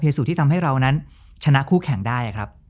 สุที่ทำให้เรานั้นชนะคู่แข่งได้ครับ